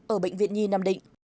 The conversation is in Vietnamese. ở bệnh viện nhi năm tư